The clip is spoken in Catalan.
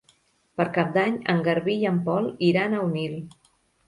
Per Cap d'Any en Garbí i en Pol iran a Onil.